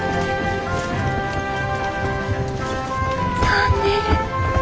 飛んでる。